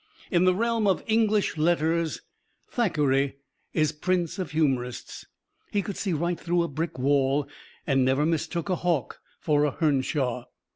In the realm of English letters, Thackeray is prince of humorists. He could see right through a brick wall, and never mistook a hawk for a hernshaw.